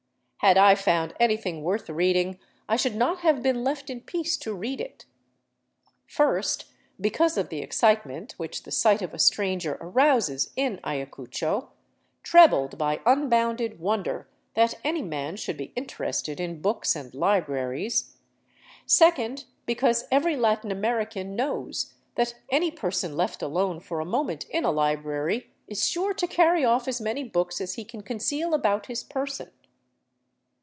Had I found anything worth reading, I should not have been left in peace to read it. First, because of the excite ment which the sight of a stranger arouses in Ayacucho, trebled by un bounded wonder that any man should be interested in books and libraries; second, because every Latin American knows that any per son left alone for a moment in a library is sure to carry off as many books as he can conceal about his person.